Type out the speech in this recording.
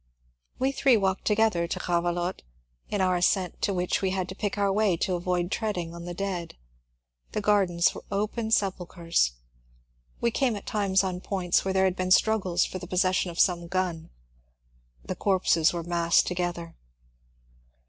We three walked together to Grrave lotte, in our ascent to which we had to pick our way to avoid treading on the dead. The gardens were open sepulchres. We came at times on points where there had been struggles for the possession of some g^,.the corpses were massed to gether.